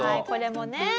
これもね。